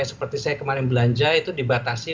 seperti saya kemarin belanja itu dibatasi